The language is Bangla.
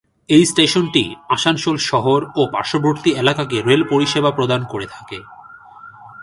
এই স্টেশনটি আসানসোল শহর ও পার্শ্ববর্তী এলাকাকে রেল-পরিষেবা প্রদান করে থাকে।